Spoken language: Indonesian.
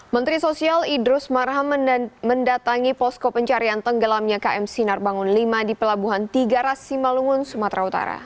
menteri sosial idrus marham mendatangi posko pencarian tenggelamnya km sinar bangun v di pelabuhan tiga ras simalungun sumatera utara